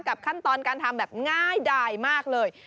ขั้นตอนการทำแบบง่ายดายมากเลย